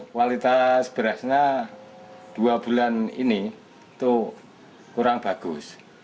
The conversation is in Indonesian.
kualitas berasnya dua bulan ini itu kurang bagus